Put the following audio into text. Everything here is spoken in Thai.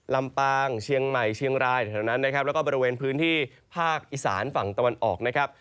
ลำปางเชียงใหม่เชียงรายแถวนั้นนะครับแล้วก็บริเวณพื้นที่ภาคอีสานฝั่งตะวันออกนะครับ